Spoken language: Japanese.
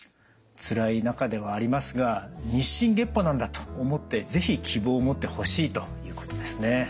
つらい中ではありますが日進月歩なんだと思って是非希望を持ってほしいということですね。